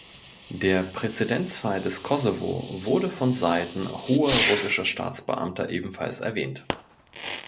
Der "Präzedenzfall des Kosovo" wurde von Seiten hoher russischer Staatsbeamter ebenfalls erwähnt.